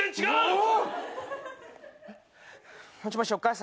お！